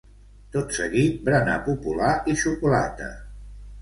Tot seguit berenar popular i xocolata.